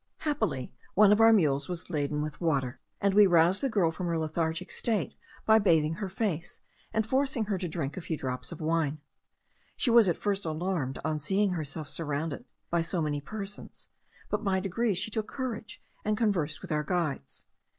Happily one of our mules was laden with water; and we roused the girl from her lethargic state by bathing her face, and forcing her to drink a few drops of wine. She was at first alarmed on seeing herself surrounded by so many persons; but by degrees she took courage, and conversed with our guides.